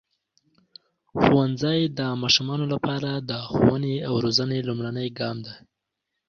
ښوونځی د ماشومانو لپاره د ښوونې او روزنې لومړنی ګام دی.